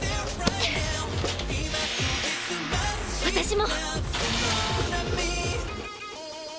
私も！